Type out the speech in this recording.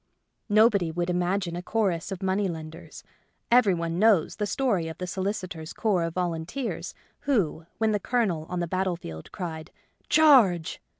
Nobody would im agine a chorus of money lenders. Every one knows the story of the solicitors' corps of volunteers who, when the Colonel on the battle field cried, '* Charge